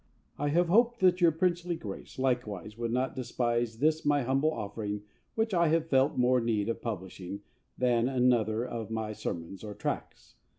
I have hoped that your princely Grace likewise would not despise this my humble offering which I have felt more need of publishing than an other of my sermons or tracts.